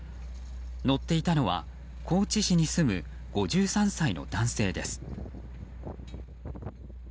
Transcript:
乗っていたのは高知市に住む５３歳の男性です。